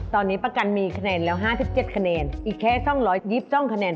ตอนนี้ประกันมีคะแนนแล้วห้าสิบเจ็ดคะแนนอีกแค่สองร้อยยิบสองคะแนน